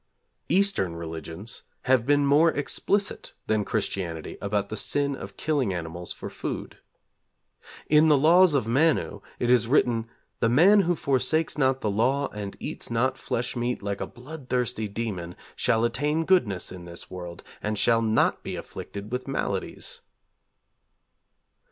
Eastern religions have been more explicit than Christianity about the sin of killing animals for food. In the Laws of Manu, it is written: 'The man who forsakes not the law, and eats not flesh meat like a bloodthirsty demon, shall attain goodness in this world, and shall not be afflicted with maladies.'